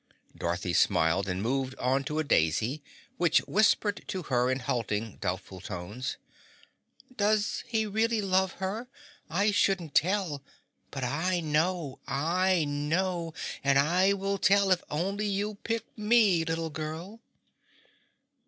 Dorothy smiled and moved on to a daisy which whispered to her in halting, doubtful tones, "Does he really love her? I shouldn't tell, but I know, I know and I will tell if only you'll pick me, little girl."